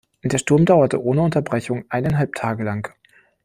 Der Sturm dauerte ohne Unterbrechung eineinhalb Tage lang.